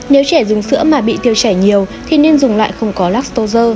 nếu trẻ dùng sữa mà bị tiêu chảy nhiều thì nên dùng loại không có lastozer